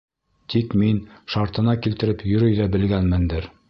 Тик мин шартына килтереп йөрөй ҙә белгәнмендер.